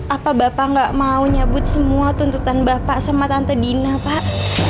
apa bapak nggak mau nyabut semua tuntutan bapak sama tante dina pak